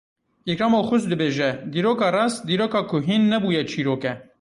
Îkram Oxuz dibêje; dîroka rast, dîroka ku hîn nebûye çîrok e.